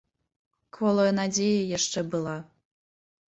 Кволая надзея яшчэ была.